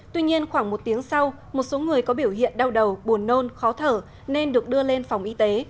tuy nhiên khoảng một tiếng sau một số người có biểu hiện đau đầu buồn nôn khó thở nên được đưa lên phòng y tế